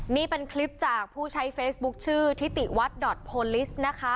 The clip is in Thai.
นี่เป็นคลิปจากผู้ใช้เฟซบุ๊คชื่อทิติวัดดอทโพลิสนะคะ